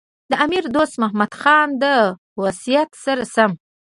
د امیر دوست محمد خان د وصیت سره سم.